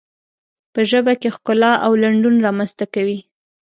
په ژبه کې ښکلا او لنډون رامنځته کوي.